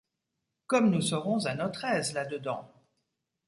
Comme nous serons à notre aise là-dedans!